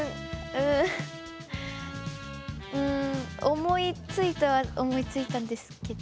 思いついたは思いついたんですけど。